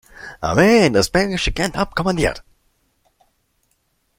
Armee in das belgische Gent abkommandiert.